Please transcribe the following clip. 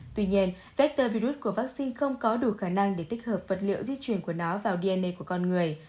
tuy nhiên vector virus của vaccine không có đủ khả năng để tích hợp vật liệu di chuyển của nó vào dn của con người